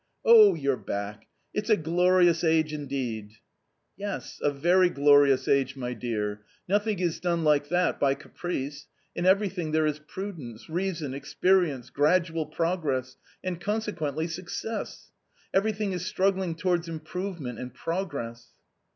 " Oh, your back ! It's a glorious age indeed !"" Yes, a very glorious age, my dear ; nothing is done like that by caprice ; in everything there is prudence, reason, experience, gradual progress, and consequently success; everything is struggling towards improvement and progress."